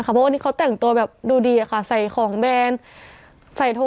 เพราะวันนี้เขาแต่งตัวแบบดูดีอะค่ะใส่ของแบน